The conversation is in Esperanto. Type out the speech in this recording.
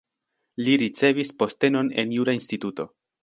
Li ricevis postenon en jura instituto.